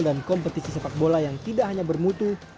dan kompetisi sepak bola yang tidak hanya bermutu